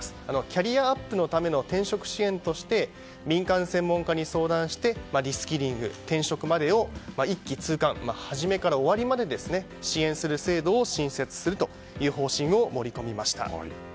キャリアアップのための転職支援として民間専門家に相談してリスキリング転職までを一気通貫始めから終わりまで支援する制度を新設するという方針を盛り込みました。